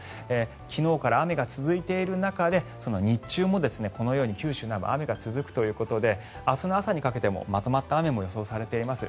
昨日から雨が続いてる中で日中もこのように九州南部、雨が続くということで明日朝にかけてもまとまった雨も予想されています。